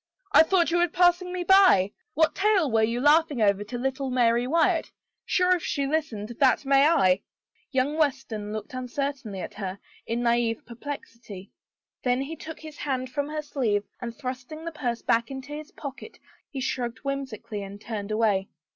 " I thought you were passing me by. What tale were you laughing over to little Mary Wyatt ? Sure, if she listened, that may I !" Young Weston looked uncertainly at her, in naive per plexity. Then he took his hand from her sleeve and thrusting the purse back into his pocket he shrugged whimsically and turned away.